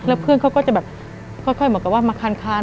แล้วเพื่อนเขาก็จะแบบค่อยเหมือนกับว่ามาคาน